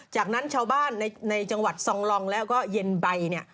จากนั้นชาวบ้านในจังหวัดซองลองแล้วก็เย็นใบเนี่ย